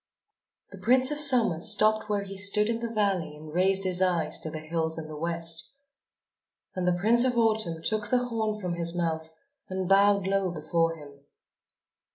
The Prince of Summer stopped where he stood in the valley and raised his eyes to the hills in the West. And the Prince of Autumn took the horn from his mouth and bowed low before him.